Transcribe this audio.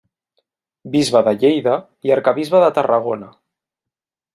Bisbe de Lleida i arquebisbe de Tarragona.